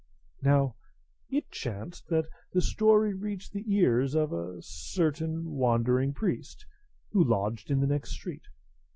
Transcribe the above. Now it chanced that the story reached the ears of a certain wandering priest who lodged in the next street.